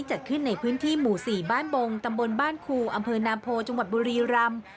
จัดขึ้นในพื้นที่หมู่๔บ้านบงตำบลบ้านครูอำเภอนามโพจังหวัดบุรีรำ